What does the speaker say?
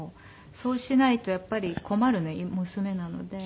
そうしないとやっぱり困るの娘なので。